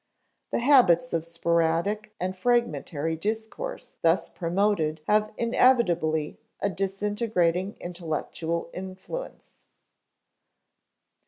The habits of sporadic and fragmentary discourse thus promoted have inevitably a disintegrating intellectual influence.